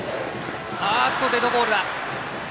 デッドボールだ。